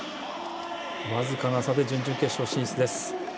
僅かな差で準々決勝進出です。